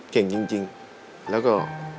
เก่งจริงแล้วก็